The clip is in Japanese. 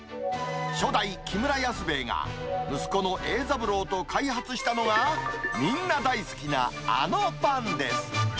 初代、木村安兵衛が、息子の英三郎と開発したのが、みんな大好きなあのパンです。